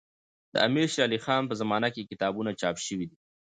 د امير شېر علي خان په زمانه کي کتابونه چاپ سوي دي.